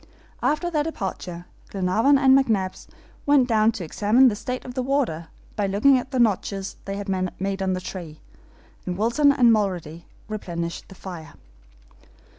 After their departure, Glenarvan and McNabbs went down to examine the state of the water by looking at the notches they had made on the tree, and Wilson and Mulrady replenished the fire.